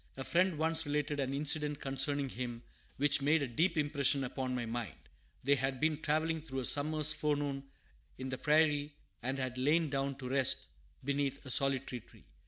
A friend once related an incident concerning him which made a deep impression upon my mind. They had been travelling through a summer's forenoon in the prairie, and had lain down to rest beneath a solitary tree.